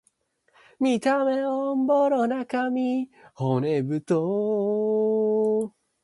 Official nude beaches in Finland can only be found in Helsinki and in Pori.